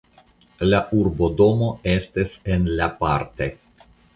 La urbodomo estas en La Parte.